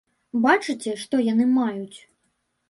Бачыце, што яны маюць!